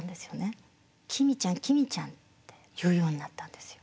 「きみちゃんきみちゃん」って言うようになったんですよ。